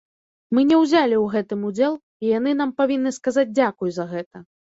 Мы не ўзялі ў гэтым удзел, і яны нам павінны сказаць дзякуй за гэта.